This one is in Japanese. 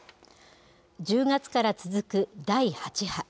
１０月から続く第８波。